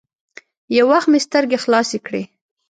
يو وخت مې سترګې خلاصې کړې.